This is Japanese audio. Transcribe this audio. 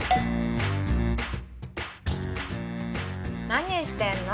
何してんの？